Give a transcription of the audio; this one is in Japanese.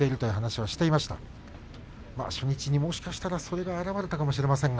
もしかしたら初日にそれが表れたかもしれませんが。